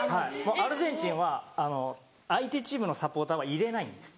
アルゼンチンは相手チームのサポーターは入れないんです。